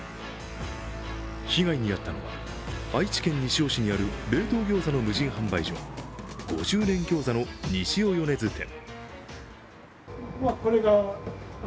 被害に遭ったのは愛知県西尾市にある冷凍ギョーザの無人販売所、５０年餃子の西尾米津店。